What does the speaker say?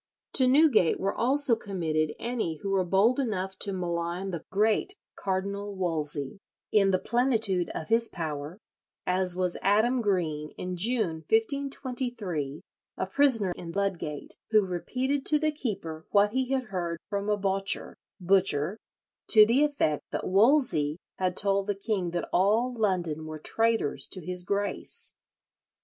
To Newgate were also committed any who were bold enough to malign the great Cardinal Wolsey, in the plenitude of his power, as was Adam Greene in June, 1523, a prisoner in Ludgate, who repeated to the keeper what he had heard from a "bocher" (butcher), to the effect that Wolsey had told the king that all London were traitors to his Grace.